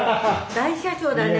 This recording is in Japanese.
大社長だね。